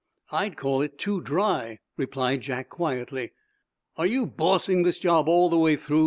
"I'd call it too dry," replied Jack, quietly. "Are you bossing this job all the way through?"